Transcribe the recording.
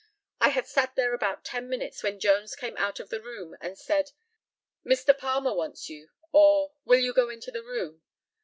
I had sat there about ten minutes when Jones came out of the room, and said, "Mr. Palmer wants you," or "Will you go into the room?"